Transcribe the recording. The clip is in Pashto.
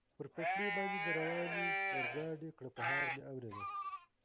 پر پټلۍ باندې د روانې اورګاډي کړپهار مې اورېده.